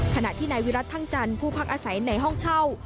ขณะที่นายวิรัติทั้งจันทร์ผู้พักอาศัยในห้องเช่า